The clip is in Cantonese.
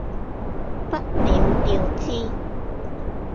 不了了之